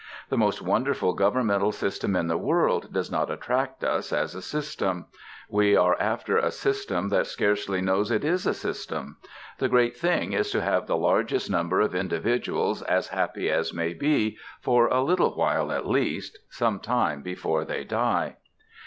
The most wonderful governmental system in the world does not attract us, as a system; we are after a system that scarcely knows it is a system; the great thing is to have the largest number of individuals as happy as may be, for a little while at least, some time before they die.